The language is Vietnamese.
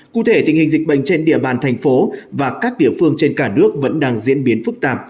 cụ thể tình hình dịch bệnh trên địa bàn thành phố và các địa phương trên cả nước vẫn đang diễn biến phức tạp